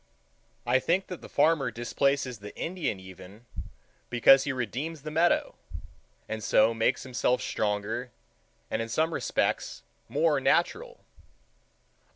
I think that the farmer displaces the Indian even because he redeems the meadow, and so makes himself stronger and in some respects more natural.